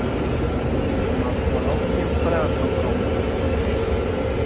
Der moat foaral gjin praat fan komme.